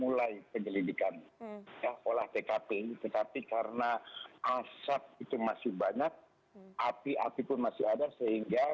mulai penyelidikan olah tkp tetapi karena asap itu masih banyak api api pun masih ada sehingga